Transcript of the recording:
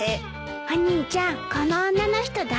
お兄ちゃんこの女の人誰？